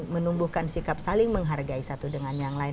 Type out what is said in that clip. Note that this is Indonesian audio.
menumbuhkan sikap saling menghargai satu dengan yang lain